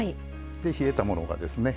で冷えたものがですね。